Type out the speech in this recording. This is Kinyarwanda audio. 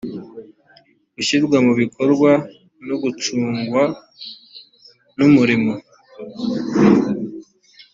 gushyirwa mu bikorwa no gucungwa n umurimo